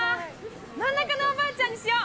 真ん中のおばあちゃんにしよう。